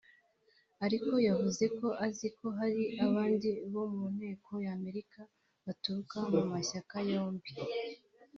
Ariko yavuze ko azi ko hari abandi bo mu nteko y’Amerika baturuka mu mashyaka yombi